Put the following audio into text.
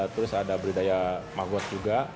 terus ada budidaya magot juga